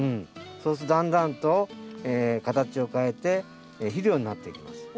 そうするとだんだんと形を変えて肥料になっていきます。